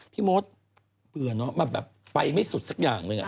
พี่โม๊ตเปลือนเนอะมาแบบไปไม่สุดสักอย่างเลย